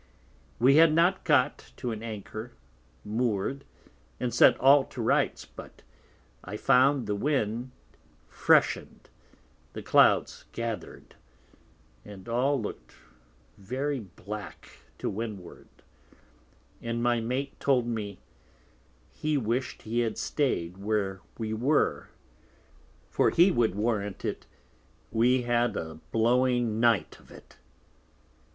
We had not got to an Anchor, moor'd, and set all to Rights, but I found the Wind freshen'd, the Clouds gather'd, and all look'd very black to Windward; and my Mate told me, he wish'd he had staid where we were, for he would warrant it we had a blowing Night of it.